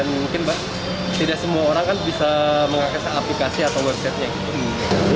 mungkin tidak semua orang kan bisa mengakibat aplikasi atau website nya gitu